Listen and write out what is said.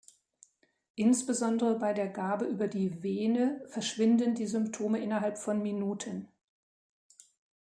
Insbesondere bei der Gabe über die Vene verschwinden die Symptome innerhalb von Minuten.